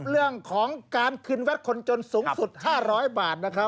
เรื่องของการคืนวัดคนจนสูงสุด๕๐๐บาทนะครับ